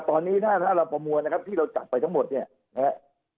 ตอนนี้ถ้าเราประมวลนะครับที่เราจัดไปทั้งหมดเนี่ยนะครับ